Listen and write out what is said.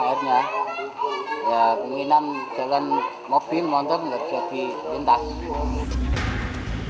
airnya ya pengen jalan mobil motor jadi lintas